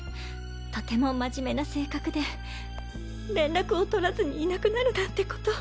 とても真面目な性格で連絡を取らずにいなくなるなんて事。